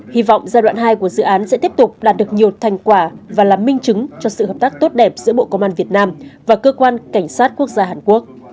hy vọng giai đoạn hai của dự án sẽ tiếp tục đạt được nhiều thành quả và là minh chứng cho sự hợp tác tốt đẹp giữa bộ công an việt nam và cơ quan cảnh sát quốc gia hàn quốc